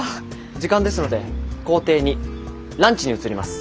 時間ですので行程２ランチに移ります。